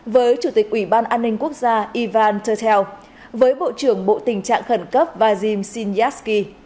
với chủ tịch ủy ban an ninh quốc gia ivan tertel với bộ trưởng bộ tình trạng khẩn cấp vajim sinyasky